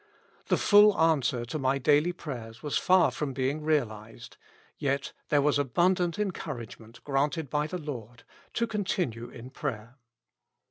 " The full answer to my daily prayers was far from being realized ; yet there was abundant encouragement granted by the I,ord, to continue in prayer.